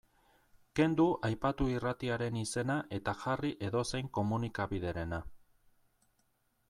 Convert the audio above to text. Kendu aipatu irratiaren izena eta jarri edozein komunikabiderena.